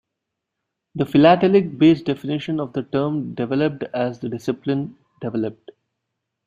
The philatelic-based definition of the term developed as the discipline developed.